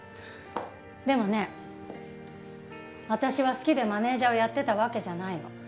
でもね私は好きでマネージャーをやってたわけじゃないの。